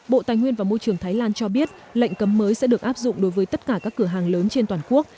bộ tài nguyên và môi trường thái lan cho biết lệnh cấm mới sẽ được áp dụng đối với tất cả các cửa hàng lớn trên toàn quốc